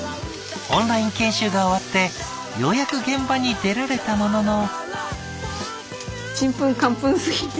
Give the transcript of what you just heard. オンライン研修が終わってようやく現場に出られたものの。